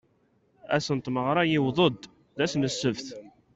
Ass n tmeɣra yewweḍ-d, d ass n ssebt.